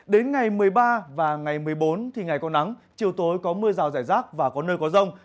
đến ngày một mươi ba và ngày một mươi bốn thì ngày có nắng chiều tối có mưa rào rải rác và có nơi có rông